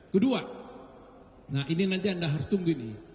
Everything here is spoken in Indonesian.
kedua nah ini nanti anda harus tunggu ini